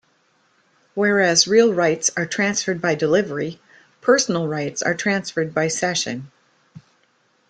Whereas real rights are transferred by delivery, personal rights are transferred by cession.